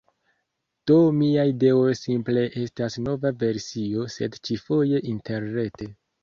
Do mia ideo simple estas nova versio, sed ĉi-foje interrete.